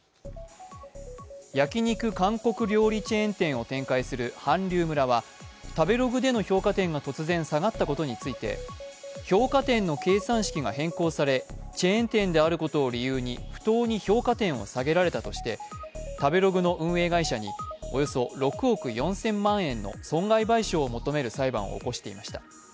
焼き肉・韓国料理チェーン店を展開する韓流村は食べログでの評価点が突然下がったことについて、評価点の計算式が変更されチェーン店であることを理由に不当に評価点を下げられたとして食べログの運営会社におよそ６億４０００万円の損害賠償を求める裁判を起こしていました。